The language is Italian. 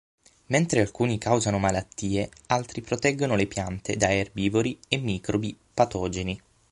Mentre alcuni causano malattie, altri proteggono le piante da erbivori e microbi patogeni.